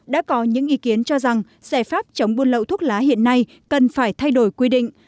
đã có những ý kiến cho rằng giải pháp chống buôn lậu thuốc lá hiện nay cần phải thay đổi quy định